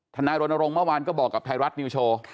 นายรณรงค์เมื่อวานก็บอกกับไทยรัฐนิวโชว์